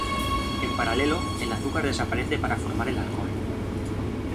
En paralelo, el azúcar desaparece para formar el alcohol.